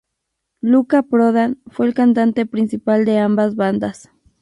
Luca Prodan fue el cantante principal de ambas bandas.